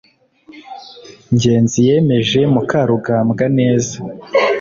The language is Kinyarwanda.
ngenzi yemeje mukarugambwa neza